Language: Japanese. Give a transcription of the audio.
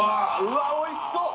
うわおいしそう！